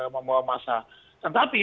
membawa masa tetapi